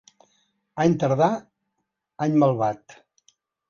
Any tardà, any malvat.